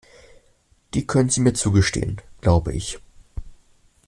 Die können Sie mir zugestehen, glaube ich.